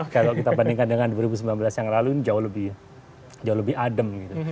kalau kita bandingkan dengan dua ribu sembilan belas yang lalu ini jauh lebih adem gitu